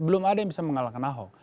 belum ada yang bisa mengalahkan ahok